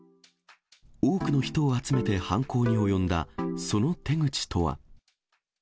多くの人を集めて犯行に及んだ、その手口とは。